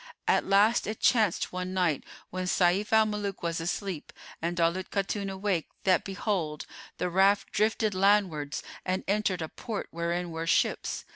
[FN#427] At last it chanced one night, when Sayf al Muluk was asleep and Daulat Khatun awake, that behold, the raft drifted landwards and entered a port wherein were ships.